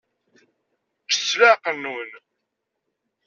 Ččet s leɛqel-nwen.